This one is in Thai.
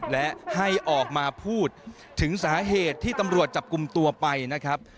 และให้ออกมาพูดถึงสาเหตุที่ตำรวจจับกลุ่มตัวไปนะครับ